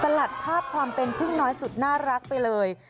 ลัดภาพความเป็นพึ่งน้อยสุดน่ารักไปเลย